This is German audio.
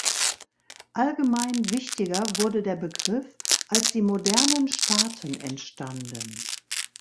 Allgemein wichtiger wurde der Begriff, als die modernen Staaten entstanden.